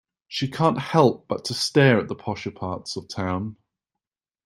She can't help but to stare at the posher parts of town.